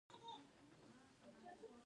په افغانستان کې د پسونو تاریخ ډېر اوږد دی.